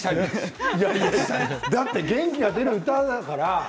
だって元気が出る歌だから。